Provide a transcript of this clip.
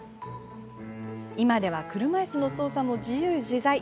今では車いすの操作も自由自在。